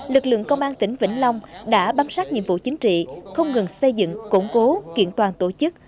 lực lượng công an tỉnh vĩnh long đã bám sát nhiệm vụ chính trị không ngừng xây dựng củng cố kiện toàn tổ chức